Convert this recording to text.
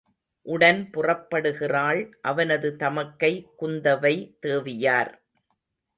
உடன் புறப்படுகிறாள் அவனது தமக்கை குந்தவை தேவியார்.